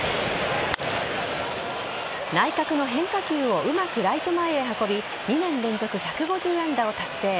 内角の変化球をうまくライト前へ運び２年連続１５０安打を達成。